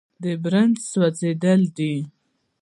د برن سوځېدل دي.